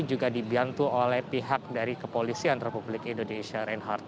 juga dibantu oleh pihak dari kepolisian republik indonesia reinhardt